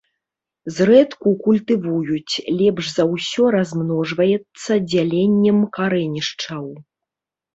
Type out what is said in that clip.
Зрэдку культывуюць, лепш за ўсё размножваецца дзяленнем карэнішчаў.